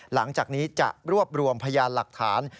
หลังจากนี้จะรวบรวมพยานหลักฐาน